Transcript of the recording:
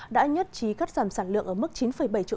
đã nhất trí cắt giảm sản lượng ở mức chín bảy triệu